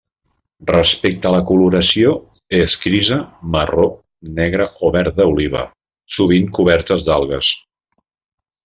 Respecte a la coloració, és grisa, marró, negra, o verda oliva, sovint cobertes d'algues.